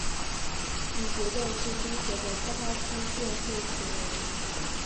李学政是今菏泽开发区佃户屯人。